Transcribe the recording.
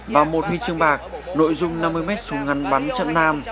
và một huy chương bạc nội dung năm mươi mét súng ngắn bắn chậm nam